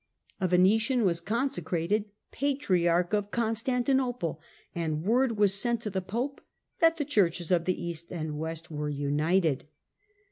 A Venetian was consecrated Patriarch of Constantinople, and word was sent to the Pope that the churches of the East and West were united.